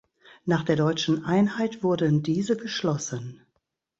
Nach der deutschen Einheit wurden diese geschlossen.